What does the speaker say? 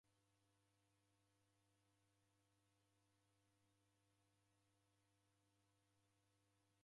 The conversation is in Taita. Misarigho ya w'ana sukulu raw'ezoya ikesho.